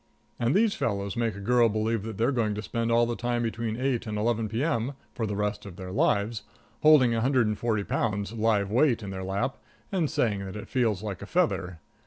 And these fellows make a girl believe that they're going to spend all the time between eight and eleven P.M., for the rest of their lives, holding a hundred and forty pounds, live weight, in their lap, and saying that it feels like a feather.